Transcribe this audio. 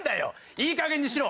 いいかげんにしろ！